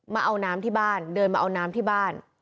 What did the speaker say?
มาเอาน้ำที่บ้านเดินมาเอาน้ำที่บ้าน